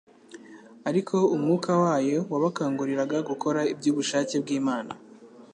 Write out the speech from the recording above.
ariko Umwuka wayo wabakanguriraga gukora iby'ubushake bw'Imana